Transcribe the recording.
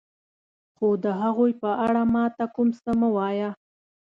خو د هغوی په اړه ما ته کوم څه مه وایه.